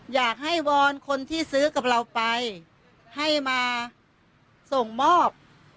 อยากให้วอนคนที่ซื้อกับเราไปให้มาส่งมอบ